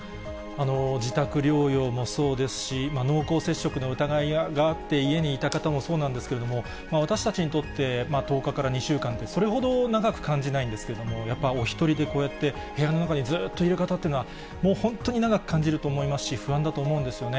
自宅療養もそうですし、濃厚接触の疑いがあって、家にいた方もそうなんですけれども、私たちにとって１０日から２週間って、それほど長く感じないんですけど、やっぱお一人で、こうやって部屋の中でずっといる方って、もう本当に長く感じると思いますし、不安だと思うんですよね。